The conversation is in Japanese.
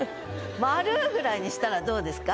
「〇」ぐらいにしたらどうですか？